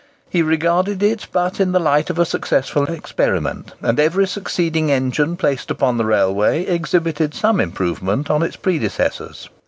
He regarded it but in the light of a successful experiment; and every succeeding engine placed upon the railway exhibited some improvement on its predecessors.